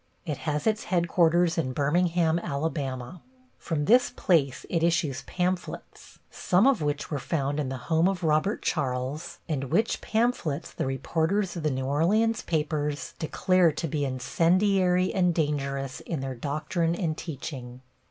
It has its headquarters in Birmingham, Alabama. From this place it issues pamphlets, some of which were found, in the home of Robert Charles, and which pamphlets the reporters of the New Orleans papers declare to be incendiary and dangerous in their doctrine and teaching.